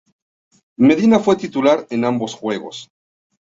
Medina fue titular en ambos juegos.